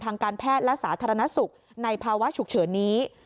ทางการแพทย์และสาธารณสุขในภาวะฉุกเฉินนี้